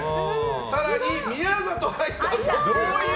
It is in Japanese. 更に宮里藍さんもという。